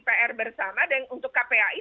pr bersama dan untuk kpai